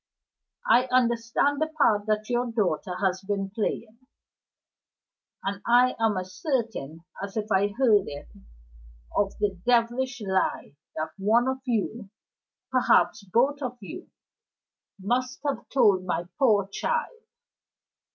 I understand the part that your daughter has been playing and I am as certain as if I had heard it, of the devilish lie that one of you perhaps both of you must have told my poor child.